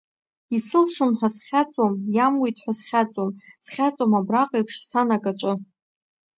Исылшом ҳәа схьаҵуам, иамуит ҳәа схьаҵуам, схьаҵуам абраҟеиԥш, сан, акаҿы.